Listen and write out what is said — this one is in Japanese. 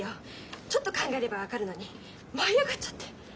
ちょっと考えれば分かるのに舞い上がっちゃって。